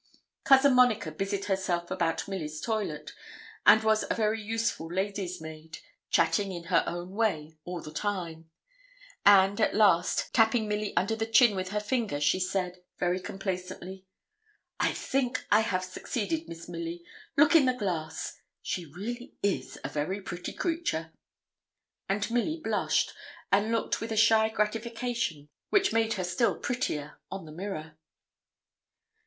Cousin Monica busied herself about Milly's toilet, and was a very useful lady's maid, chatting in her own way all the time; and, at last, tapping Milly under the chin with her finger, she said, very complacently 'I think I have succeeded, Miss Milly; look in the glass. She really is a very pretty creature.' And Milly blushed, and looked with a shy gratification, which made her still prettier, on the mirror.